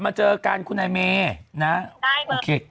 ค่าจะมีลูกมันคงไม่ยากทางกันนะตอนนี้หรอกมาฆ่าเลยเออโอเค